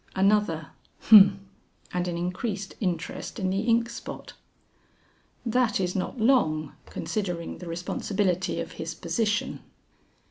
Another "humph!" and an increased interest in the ink spot. "That is not long, considering the responsibility of his position."